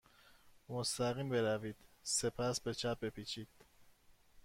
مستقیم بروید. سپس به چپ بپیچید.